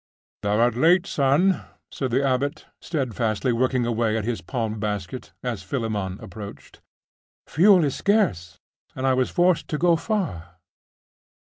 'Thou art late, son,' said the abbot, steadfastly working away at his palm basket, as Philammon approached. 'Fuel is scarce, and I was forced to go far.